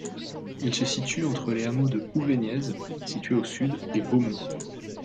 Il se situe entre les hameaux de Houvegnez situé au sud et Beaumont.